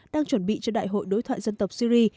đang chuẩn bị cho đại hội đối thoại dân tộc syri